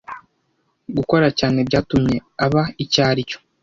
Gukora cyane byatumye aba icyo aricyo.